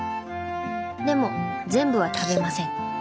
でも全部は食べません。